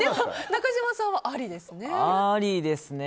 中島さんはありですね。